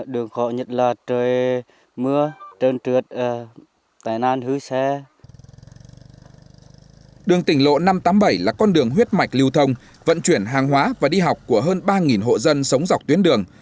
đường tỉnh lộ năm trăm tám mươi bảy là con đường huyết mạch lưu thông vận chuyển hàng hóa và đi học của hơn ba hộ dân sống dọc tuyến đường